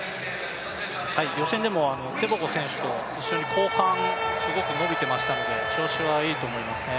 予選でもテボゴ選手と一緒に後半すごく伸びていましたので調子はいいと思いますね。